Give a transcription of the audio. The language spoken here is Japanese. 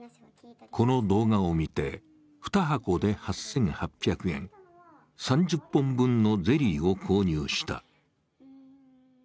この動画を見て、２箱で８８００円、３０本分のゼリーを購入した。